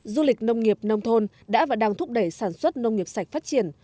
du lịch nông nghiệp nông thôn đã và đang thúc đẩy sản xuất nông nghiệp sạch phát triển